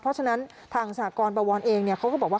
เพราะฉะนั้นทางสหกรณ์บะวรเองเนี่ยเขาบอกว่า